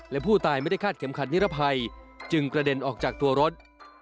และผู้ตายไม่ได้คาดเข็มขัดนิรภัยจึงกระเด็นออกจากตัวรถ